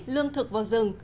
lương thực vào rừng